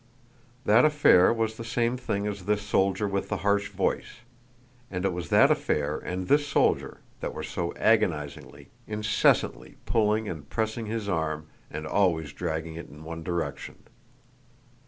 That affair was the same thing as this soldier with the harsh voice, and it was that affair and this soldier that were so agonizingly, incessantly pulling and pressing his arm and always dragging it in one direction.